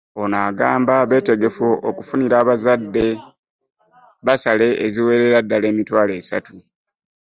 Ono agamba beetegefu okufunira abazadde bbasale eziwerera ddala emitwalo esatu